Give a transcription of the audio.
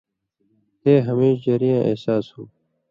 تے ہمیش ژری یاں احساس ہوں